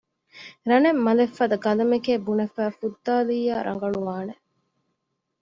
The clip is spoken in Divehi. ރަނެއް މަލެއް ފަދަ ގަލަމެކޭ ބުނެފައި ފުއްދައިލިއްޔާ ރަނގަޅުވާނެ